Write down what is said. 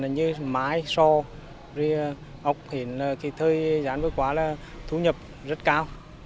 như mái sò ốc hình thời gian vừa qua là thu nhập rất cao